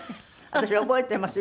私覚えています